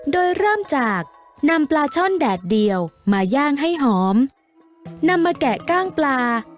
โดยเริ่มจากนำปลาช่อนแดดเดียวมาย่างให้หอมนำมาแกะกล้างปลา